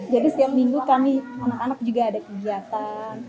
setiap minggu kami anak anak juga ada kegiatan